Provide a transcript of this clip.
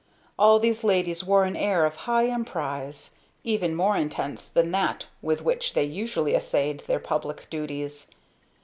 All these ladies wore an air of high emprise, even more intense than that with which they usually essayed their public duties.